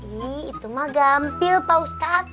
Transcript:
ih itu mah gampil pak mustaq